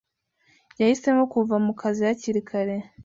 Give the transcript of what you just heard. yahisemo kuva mu kazi hakiri kare.